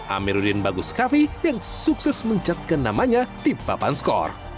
amiruddin bagus kavi yang sukses mencatkan namanya di papan skor